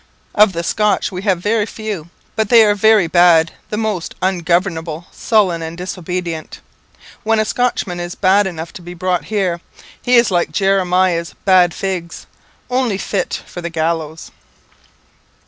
Of the Scotch we have very few; but they are very bad the most ungovernable, sullen, and disobedient. When a Scotchman is bad enough to be brought here, he is like Jeremiah's bad figs only fit for the gallows."